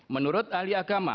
menurut ahli agama